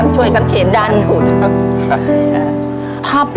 ช่วยกันเข็นด้านถูดครับ